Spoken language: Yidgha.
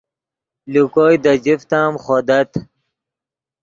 لے کوئے دے جفت ام خودت